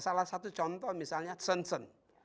salah satu contoh misalnya shenshon